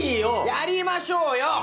やりましょうよ！